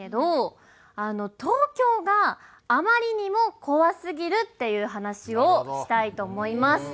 東京があまりにも怖すぎるっていう話をしたいと思います。